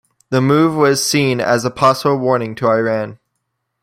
The move was seen as a possible warning to Iran.